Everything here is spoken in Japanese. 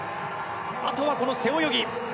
あとは、この背泳ぎ。